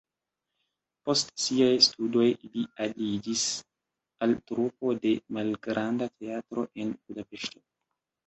Post siaj studoj li aliĝis al trupo de malgranda teatro en Budapeŝto.